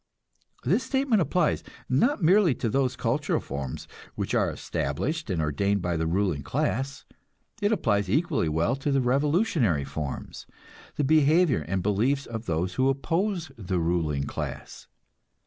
This statement applies, not merely to those cultural forms which are established and ordained by the ruling class; it applies equally well to the revolutionary forms, the behavior and beliefs of those who oppose the ruling class.